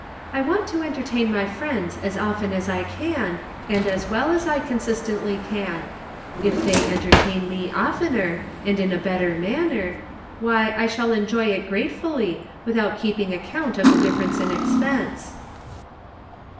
I want to entertain my friends as often as I can, and as well as I consistently can. If they entertain me oftener, and in a better manner, why I shall enjoy it gratefully, without keeping account of the difference in expense."